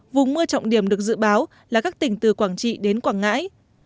vùng mưa trọng điểm được dự báo là các tỉnh từ quảng trị đến quảng ngãi